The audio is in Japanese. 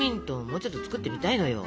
もうちょっと作ってみたいのよ。